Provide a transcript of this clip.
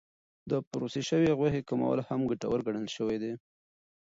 د پروسس شوې غوښې کمول هم ګټور ګڼل شوی دی.